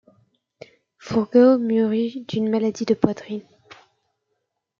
Forgeot mourut d’une maladie de poitrine.